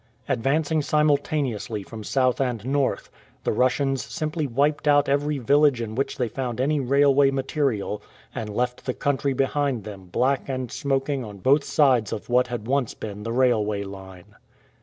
Advancing simultaneously from south and north, the Russians simply wiped out every village in which they found any railway material, and left the country behind them black and smoking on both sides of what had once been the railway line.